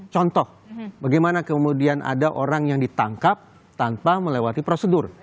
contoh bagaimana kemudian ada orang yang ditangkap tanpa melewati prosedur